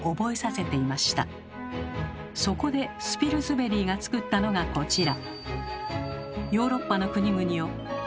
そこでスピルズベリーが作ったのがこちら。